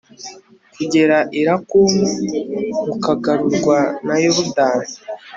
kugera i lakumu, rukagarurwa na yorudani